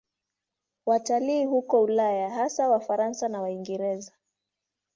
Watalii hutoka Ulaya, hasa Wafaransa na Waingereza.